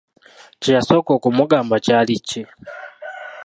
Kye yasooka okumugamba kyali ki?